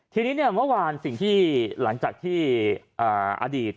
ทีนี้เนี่ยเมื่อวานสิ่งที่หลังจากที่อดีต